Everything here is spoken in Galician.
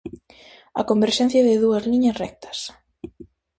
A converxencia de dúas liñas rectas.